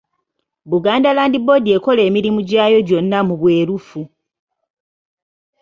Buganda Land Board ekola emirimu gyayo gyonna mu bwerufu.